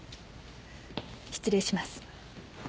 失礼します。